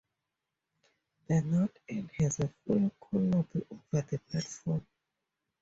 The north end has a full canopy over the platform.